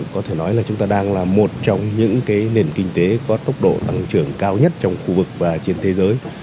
có thể nói là chúng ta đang là một trong những nền kinh tế có tốc độ tăng trưởng cao nhất trong khu vực và trên thế giới